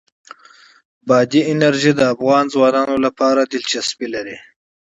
بادي انرژي د افغان ځوانانو لپاره دلچسپي لري.